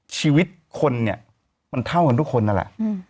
ชีวิตคนเนี่ยมันเท่ากันทุกคนนั่นแหละ